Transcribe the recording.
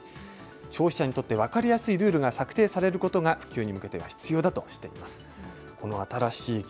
消費者にとって分かりやすいルールが策定されることが普及に向けては必要だとしています。